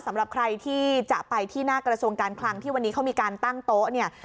สำหรับใครที่จะไปที่หน้ากระทรวงการคลังที่วันนี้เขามีการตั้งโต๊ะเนี่ย